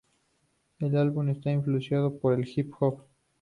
El álbum está influenciado por el hip-hop.